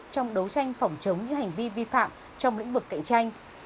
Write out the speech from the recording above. trong đấu tranh phòng chống những hành vi vi phạm trong lĩnh vực cạnh tranh